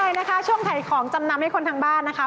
ใช่นะคะช่วงถ่ายของจำนำให้คนทางบ้านนะคะ